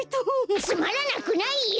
つまらなくないよ！